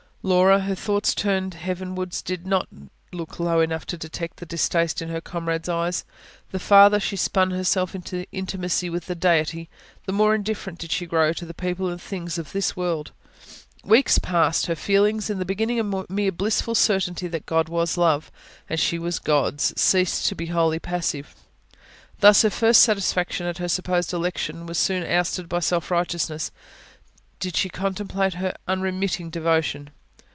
Laura, her thoughts turned heavenwards, did not look low enough to detect the distaste in her comrades' eyes. The farther she spun herself into her intimacy with the Deity, the more indifferent did she grow to the people and things of this world. Weeks passed. Her feelings, in the beginning a mere blissful certainty that God was Love and she was God's, ceased to be wholly passive. Thus, her first satisfaction at her supposed election was soon ousted by self righteousness, did she contemplate her unremitting devotion.